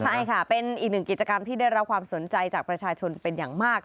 ใช่ค่ะเป็นอีกหนึ่งกิจกรรมที่ได้รับความสนใจจากประชาชนเป็นอย่างมาก